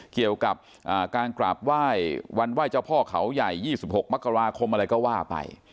เกี่ยวกับการกราบไหว้วันไหว้เจ้าพ่อเขาใหญ่๒๖มกราคมอะไรก็ว่าไป